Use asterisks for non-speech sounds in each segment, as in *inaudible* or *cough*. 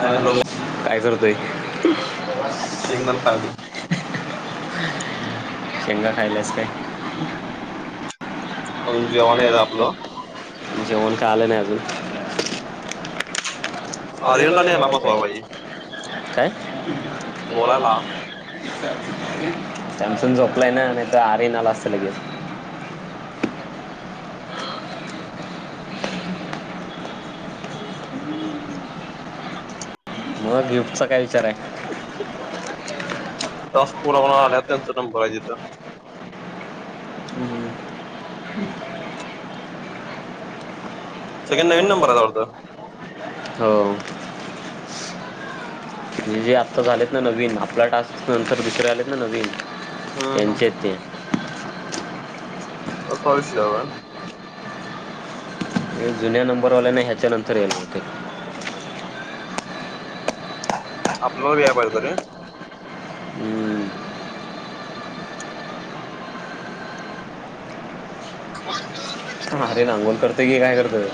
हाय hello काय करतोय शेंगदाण खाली शेंगा खायल्यास काय अजून जेवण जेवणय आहे आपलं जेवण काय आलं नाही अजून आर्यनला नाही आला बसवा पाहिजे काय बोलायला *unintelligible* *inaudible* सॅमसंग झोपलायना नाही तर आर्यन आला असता लगेच *inaudible* हम्म हम्म *inaudible* मग गिफ्टचा काय विचारे दस पुरवण्या आल्या त्यांचा नंबर हाय तिथं. हम्म *inaudible* ह सगळे नवीन नंबर आहे वाटत. हो. म्हणजे आत्ता झालेत ना नवीन आपला टास्क नंतर दुसऱ्या नवीन हम्म त्यांचेत हम्म ते काय विषय झालाय? जुन्या नंबरवाल्याना ह्याच्या नंतर येल होते आपल्याला बी यायाला पाहिजे होतं रे होते हम्म. *inaudible* हा आर्यन अंगोल करतय की काय करतोय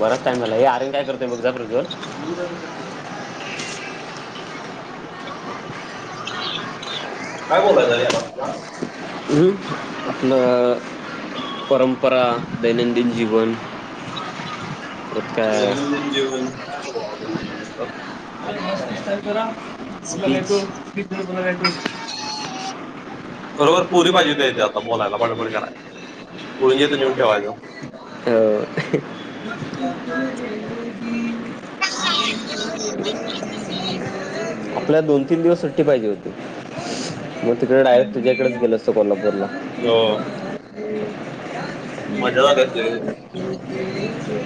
बरा टाईमला हे आर्यन काय करतेय बघ जा प्रज्वल *inaudible* *inaudible* काय बोलायचं यात आपला अं आपलं परंपरा दैनंद दीन जीवन परत काय दैनंदिन जीवन काय सांगणार तुम्ही स्पीच खरोखर पोरी पाहिजे होत्या इथ आता बोलायला, बडबड करायला. पोरींच्या पुरींच्या इथ इथं नेऊन ठेवायच. ठेवायचं हो आपल्याला दोन- तीन दिवस सुट्टी पाहिजे होती. *inaudible* मग तिकडे डायरेक्ट तुझ्याकडेच गेल असतो कोल्हापूरला हो मजा झाली असती रे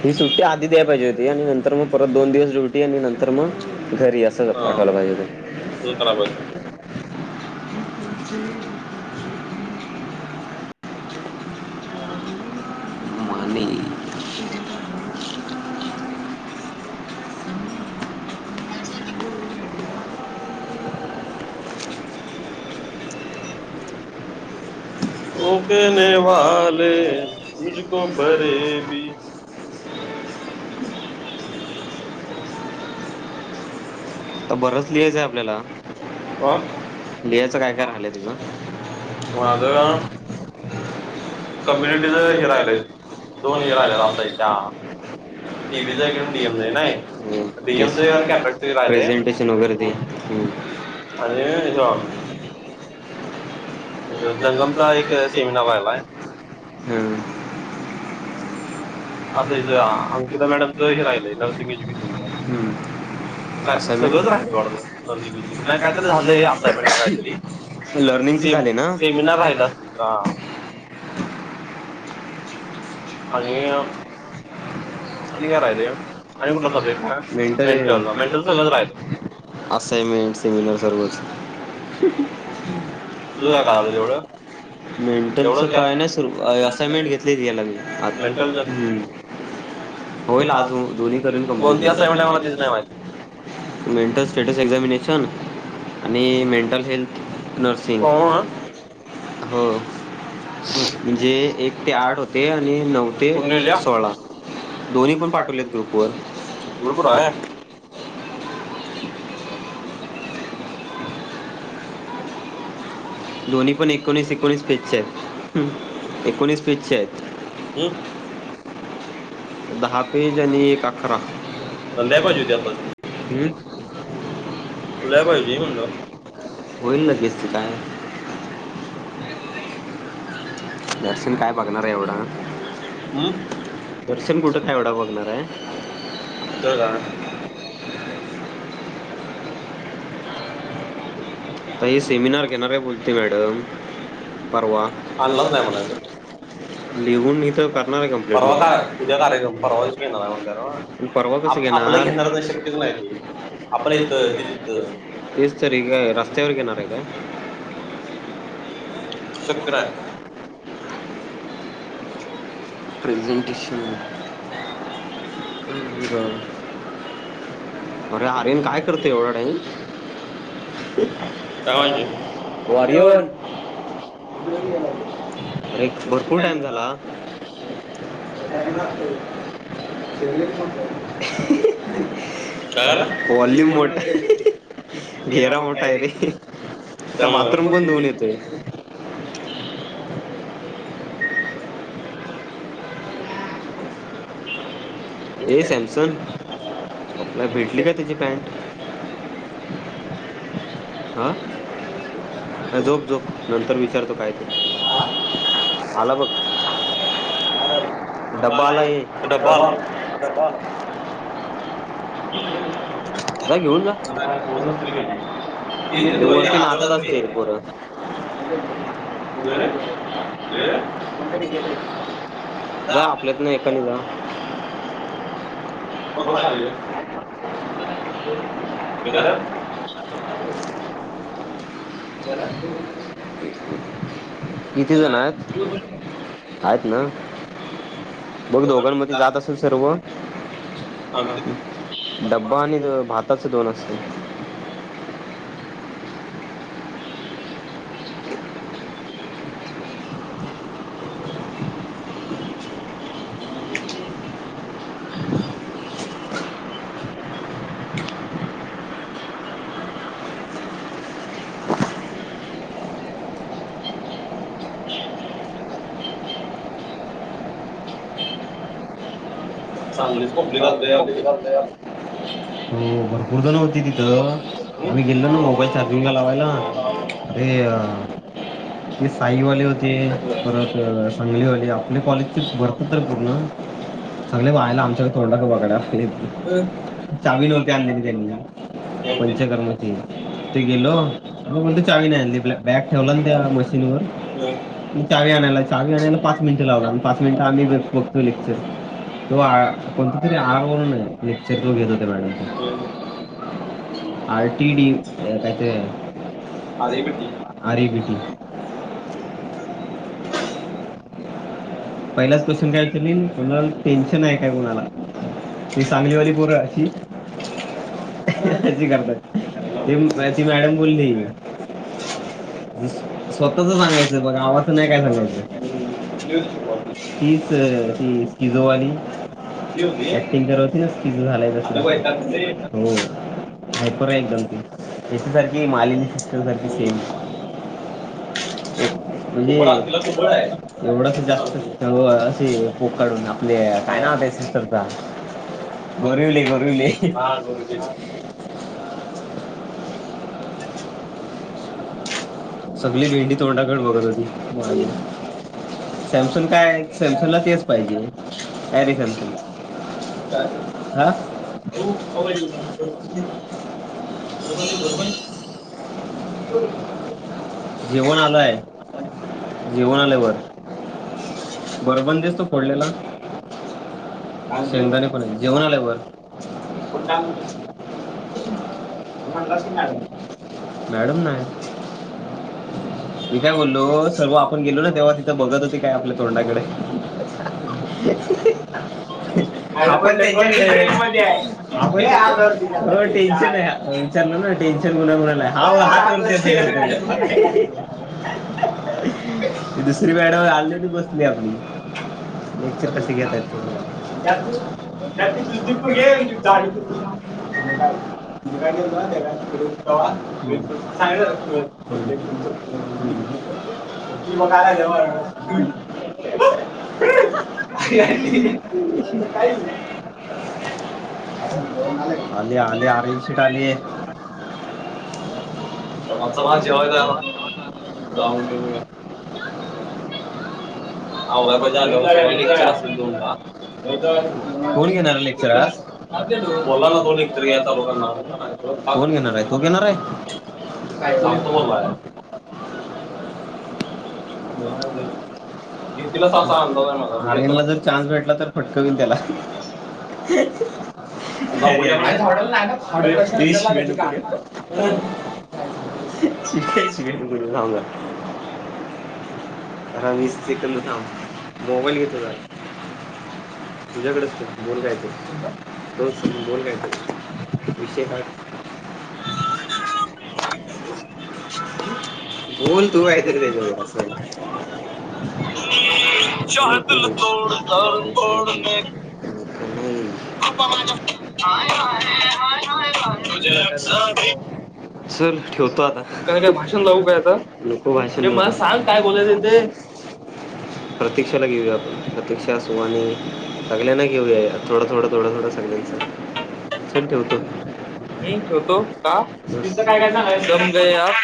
ही सुट्टी आधी तुझ्याकडेच गेलो असतो कोल्हापूरला, ही सुट्टी आधी द्यायला पाहिजे होती आणि नंतर मग परत दोन दिवस ड्युटी आणि नंतर मग घरी, अस हा पाठवला पाहिजे होत. तसं कराय बरोबर पाहिजे *inaudible* *inaudible* ओ केहने वाले मुझको फरेबी *inaudible* आता बरंच लिहायचं आहे आपल्याला, हा लिहायचं काय काय राहिलंय तुझं? माझ माझं कम्युनिटीच कम्युनिटीचं हे राहिले राहिलेलं दोन हे राहिले राहिलेलं आता असायच्या एकदा डी बी टीव्हीचं चा एक घेऊन आणि डी एम, नाही *unintelligible* डी एम च एक आणि एक आहे. कपॅसिटन्स राहिलाय. ह्यो *inaudible* जंगमचा एक सेमिनार राहिलाय हम्म असं हिज अंकिता मॅडमचं हे राहिलंय नर्सिंग एज्युकेशनचं काय *unintelligible* सगळंच राहिल वाटतं नर्सिंग एजुकेशन असाइनमेंट नाही काहीतरी झालंय असाइनमेंट काहीतरी आपल्याला. लर्निंगची झाली ना ते बिना सेमिनार राहिला असणार हा *inaudible* आणि आणि काय राहिलय आणि कुठला सब्जेक्ट हाय मेंटल मेंटल सगळंच राहिलंय असाइनमेंट सेमिनार सर्वच *inaudible* तुझं काय कळालं तेवढं मेंटलच तेवढंच काही नाही सर असाइनमेंट घेतलेली याला मी आता मेंटलच हम्म होईल आजून दोन्ही करेन कोणती असाइनमेंट आहे मला तेच नाही माहिती कंप्लीट मेंट्स स्टेटस एक्झामिनेशन आणि मेंटल हेल्थ नर्सिंग हो मग हो म्हणजे एक ते आठ होते. ते नऊ ते सोळा दोन्ही पण पाठवलेत ग्रुप वर *inaudible* गुरुपूर आहे दोन्ही पण एकोणीस एकोणीस पेजचे आहेत हम्म एकोणीस पेज चे आहेत. हम्म दहा पेज आणि एक अकरा लय पाहिजे होती ह *inaudible* खुलाय पाहिजे म्हणलो. होईल लगेच की काय? दर्शन काय बघणार आहे एवढं? हम्म दर्शन कुठे काय येवड बघणार हाय. तर काय त हे सेमिनार घेणार आहे बोलते मॅडम परवा आणलाच नाही म्हणायचं लिहून इथ करणार आहे कंप्लीट परवा का उद्या कार्यक्रम परवा दिवशी घेणार आहे म्हणल्यावर मी. परवा कस आपलं घेणार घेणारच नाही शक्यच नाही ते आपण इथं ते तिथं तेच तरी काय काय शक्य नाही प्रेझेंटेशन ह ब अरे आर्यन काय करत एवढ्या टाईम काय माहिती ओ आर्यन भरपूर टाइम झाला. काय आला व्हॉलूयूम मोठा आहे घेरा मोठा आहे रे. का बाथरूम पण धुऊन येतोय? हे सॅमसंग, आपला भेटली का तुझी पॅन्ट? *unintelligible* आ झोप झोप नंतर वि *unintelligible* तो काय आला बग. डब्बा आला ऎ डब्बा आला जा घेऊन जा. ये वर्षी नाचताच ह जा आपल्यातन, एकान जा हो खाली ये *inaudible* घेणार? येणार चला किती जण आहेत? आहेत ना. मग दोघांमध्ये जात असेल सर्व आणि ते डब्बा आणि भातात दोन *inaudible* *inaudible* सांगलीच पब्लिक लय आलत रे. भरपूर जण होते तिथं *inaudible* गेलो ना मोबाईल चार्जिंगला लावायला अरे ते साईवाले होते परत सांगलीवाले आपले कॉलेजचे तर पूर्ण चांगले बायला आमच्याकडे तोंडा का बकड्या चावी नव्हती *unintelligible* आणली त्यां पंचकर्माची ते गेलो म्हण चावी नाही आणली बॅग ठेवला ना त्या मशीन व चावी आणायला चावी आणायला पाच मिनिट लावला आणि पाच मिनिट आम्ही बघतो लेक्चर. तो आ कोणत तरी आरवरून लेक्चर घेत होत्या मॅडम ते. *unintelligible* अरे बेटी *inaudible* पहिलाच क्वेश्चन काय विचारली कुणाला टेन्शन आहे काय कुणाला ती सांगली वाली पोर अशी *inaudible* करतात ते त मॅडम बोलली *inaudible* स्वतःच सांगायचं बघ गावाच नाही काय सांगायचं. तीच ती स्किजोवाली ऍक्टिंग करत होती ना किजो झालायस हो हायपर आहे एकदम ती यांच्यासारखी मालीनी सिस्टर सारखी सेम *unintelligible* म्हणजे एवढ जास्त असे पोक काढून आपले काय नावते सिस्टरचा गरीवले गरीवले हा बेटी. *unintelligible* सगळी भेंडी तोंडाकडे बघत होती माझी सॅमसंग काय सॅमसंगला तेच पाहिजे काय रे सॅमसंग हा *inaudible* जेवण आलाय *inaudible* जेवण आल्यावर गोरबंदीस तू फोडलेला *inaudible* शेंगदाणे पण जेवण आल्यावर *inaudible* मॅडम ना मी काय बोललो सर्व आपण गेलो ना तेव्हा तिथं बघत होती काय आपल्या तोंडाकडे *inaudible* आपण त्यांच्याकडे मध्ये आहे आपले आधार ते का? आपण टेन्शन आहे विचारलो ना टेन्शन कुणा कुणा ला ये हा हात वरती असं करतय...... *inaudible* *inaudible* त्यातून त्याची दुसरी पोरगी आहे म्हणजे जाडी पोरगी. *unintelligible* *unintelligible* ती बघायला जवळ आहे. काही *inaudible* आली आली आरनशीट आली. चला जेवायला जाऊ *unintelligible* आवरायला पाहिजे असेल दोन लाख कोण घेणारे लेक्चर आज बोलला ना दोन लेक्चर घ्यायला चालू करणार म्हणून कोण घेणारअय तू घेणारय सांगतो बोललाय *unintelligible* की तिला असा अंदाज आहे माझा आर्यनला जर चान्स भेटला तर फटकविन त्याला अरे-अरे बीच मे डूब के मरो. मी काय शिवी दिलो नाही थांबा. होय *inaudible* रवीस सेकंद थांब मोबाईल घे तुझा तुझ्याकडच की बोल कायतरी *unintelligible* बोल कायतरी विषय काड बोल तू कायतर त्याच्यावरं नको *inaudible* *inaudible* चल ठेवतो आता काय काय भाषण लावू काय आता नको भाषण ये मला नको. सांग काय बोलायचंय बोलायचं ते प्रतीक्षाला घेऊया आपण प्रतीक्षा त्याच वाणी सगल्यांना ना घेऊया यात थोडं-थोडं थोड-थोडस चल ठेवतोय, मी ठेवतो का तिथं काय-काय दम गए करायच. आप